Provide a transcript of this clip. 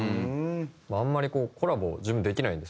あんまりコラボ自分できないんで。